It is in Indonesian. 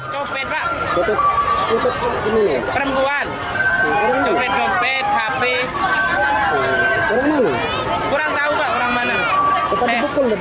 kurang tahu pak orang mana